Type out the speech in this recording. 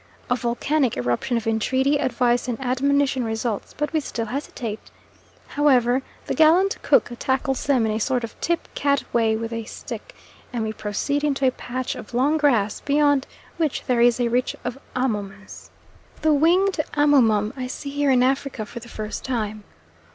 A volcanic eruption of entreaty, advice, and admonition results, but we still hesitate. However, the gallant cook tackles them in a sort of tip cat way with a stick, and we proceed into a patch of long grass, beyond which there is a reach of amomums. The winged amomum I see here in Africa for the first time.